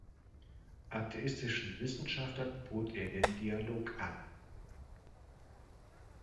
Atheistischen Wissenschaftlern bot er den Dialog an.